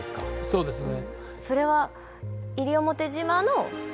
そうですね。